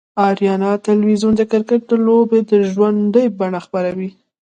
آریانا تلویزیون دکرکټ لوبې به ژوندۍ بڼه خپروي